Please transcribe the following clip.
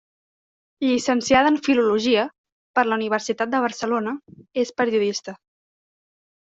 Llicenciada en Filologia per la Universitat de Barcelona, és periodista.